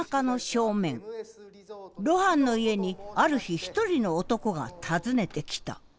露伴の家にある日一人の男が訪ねてきた。